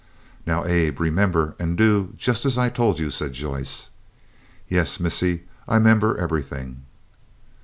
"Now, Abe, remember and do just as I told you," said Joyce. "Yes, Missy, I 'member ebberyting."